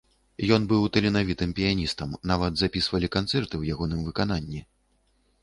Ён быў таленавітым піяністам, нават запісвалі канцэрты ў ягоным выкананні.